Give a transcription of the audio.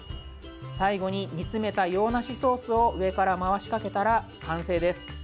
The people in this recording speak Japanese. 最後に煮詰めた洋梨ソースを上から回しかけたら完成です。